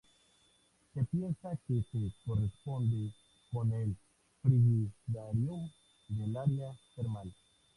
Se piensa que se corresponde con el frigidarium del área termal.